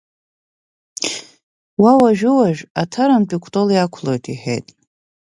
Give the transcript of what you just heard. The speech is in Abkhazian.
Уа уажәы-уажәы Аҭарантәи Кәтол иақәлоит, иҳәеит.